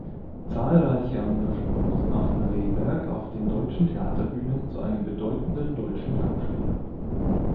Zahlreiche Engagements machten Rehberg auf den deutschen Theaterbühnen zu einem bedeutenden deutschen Schauspieler.